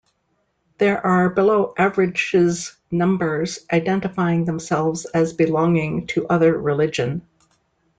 There are below averages numbers identifying themselves as belonging to other religion.